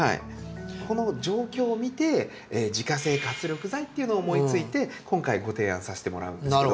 この状況を見て自家製活力剤っていうのを思いついて今回ご提案させてもらうんですけど。